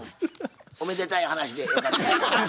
おめでたい話でよかったですけど。